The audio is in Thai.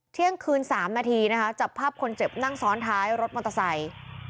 เที่ยงคืน๓นาทีนะคะจับภาพคนเจ็บนั่งซ้อนท้ายรถมอเตอร์ไซค์